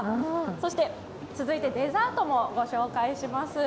そして、続いてデザートもご紹介します。